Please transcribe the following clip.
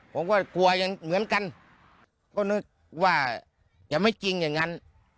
ผมก็กลัวยังเหมือนกันก็นึกว่าจะไม่จริงอย่างนั้น